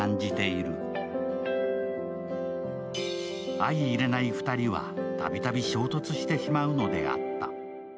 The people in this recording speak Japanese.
相いれない２人はたびたび衝突してしまうのであった。